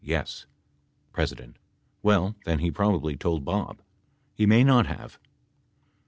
Yes. P. Well , then he 'probably told Bob. He may not have.